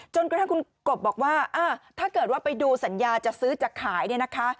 จนกระทั่งคุณกบบอกว่าถ้าเกิดว่าไปดูสัญญาจะซื้อจะขายเนี่ยนะคะ